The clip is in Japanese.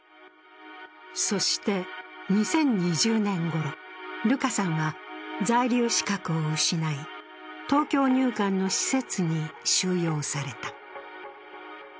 そして２０２０年ごろ、ルカさんは在留資格を失い、東京入管の施設に収容された。